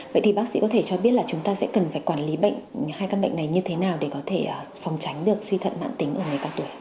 vậy thì bác sĩ có thể cho biết là chúng ta sẽ cần phải quản lý bệnh hai căn bệnh này như thế nào để có thể phòng tránh được suy thận mạng tính ở người cao tuổi